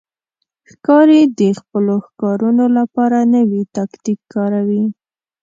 ښکاري د خپلو ښکارونو لپاره نوی تاکتیک کاروي.